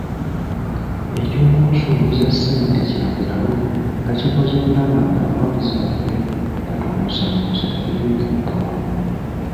Eky'okumusuubiza ssente kya bulalu bakikoze kulaba ng'abawagizi baffe batubuusabuusa, tetugenda kupowa.